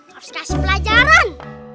harus dikasih pelajaran